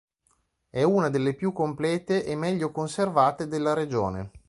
È una delle più complete e meglio conservate della regione.